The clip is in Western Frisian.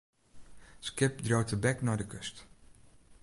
It skip dreau tebek nei de kust.